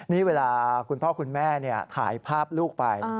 นี่เวลาคุณพ่อคุณแม่ถ่ายภาพลูกไป